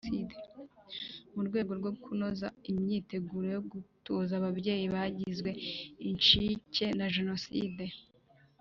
Mu rwego rwo kunoza imyiteguro yo gutuza ababyeyi bagizwe incike na Jenoside